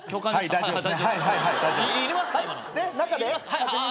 大丈夫です。